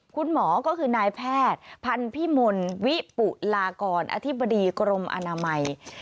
คุณหมอก็คือนายแพทย์พันธิมลวิปุลากรอธิบดีกรมอนามัย